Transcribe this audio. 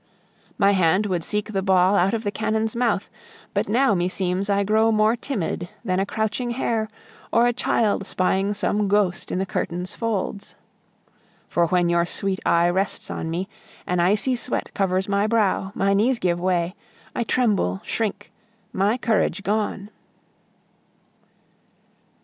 My hand would seek the ball out of the cannon's mouth, But now meseems I grow more timid than a crouching hair, Or a child spying some ghost in the curtain's folds. For when your sweet eye rests on me, Any icy sweat covers my brow, my knees give way, I tremble, shrink, my courage gone.